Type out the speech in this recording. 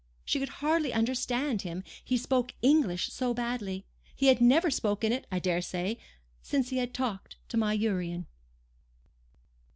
She could hardly understand him, he spoke English so badly. He had never spoken it, I dare say, since he had talked to my Urian."